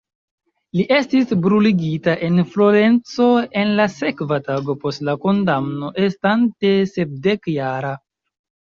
Li estis bruligita en Florenco en la sekva tago post la kondamno, estante sepdek-jara.